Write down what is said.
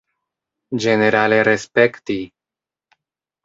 Ĝenerale respekti!